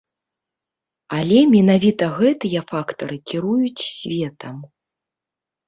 Але менавіта гэтыя фактары кіруюць светам.